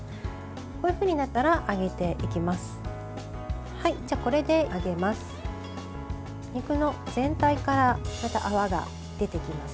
こういうふうになったら揚げていきます。